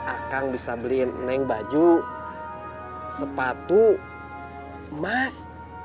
akang bisa beli neng baju sepatu emas